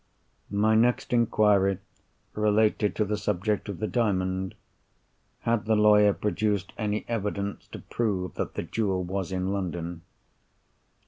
My next inquiry related to the subject of the Diamond. Had the lawyer produced any evidence to prove that the jewel was in London?